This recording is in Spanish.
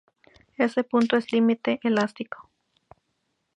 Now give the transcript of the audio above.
Ese punto es el límite elástico.